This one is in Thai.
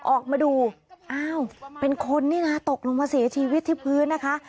ออกมาดูอ้าวเป็นคนนี่นะตกลงมาเสียชีวิตที่พื้นนะคะ